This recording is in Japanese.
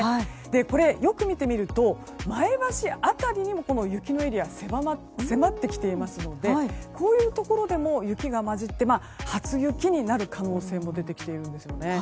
これ、よく見てみると前橋辺りにも雪のエリアが迫ってきていますのでこういうところでも雪が交じって初雪になる可能性も出てきているんですよね。